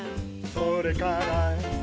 「それから」